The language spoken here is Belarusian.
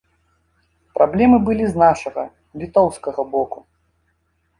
Праблемы былі з нашага, літоўскага боку.